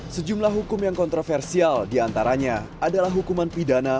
sejumlah hukum yang kontroversial diantaranya adalah hukuman pidana